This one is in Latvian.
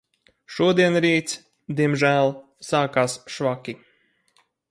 Šodien rīts, diemžēl, sākās švaki.